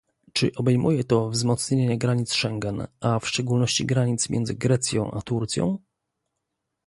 Czy obejmuje to wzmocnienie granic Schengen, a w szczególności granic pomiędzy Grecją a Turcją?